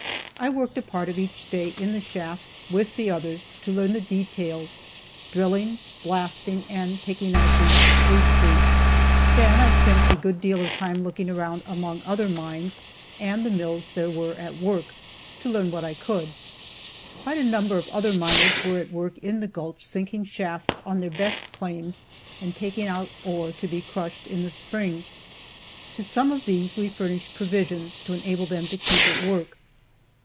I worked a part of each day in the shafts, with the others, to learn the details, drilling, blasting and picking out the "pay streak." Then I spent a good deal of time looking around among other mines, and the mills that were at work, to learn what I could. Quite a number of other miners were at work in the gulch sinking shafts on their best claims and taking out ore to be crushed in the spring. To some of these we furnished provisions to enable them to keep at work.